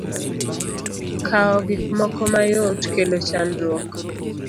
Kawo gik moko mayot, kelo chandruok.